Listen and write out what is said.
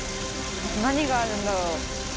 何があるんだろう。